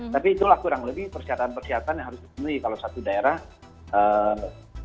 tapi itulah kurang lebih persyaratan persyaratan yang harus dipenuhi kalau satu daerah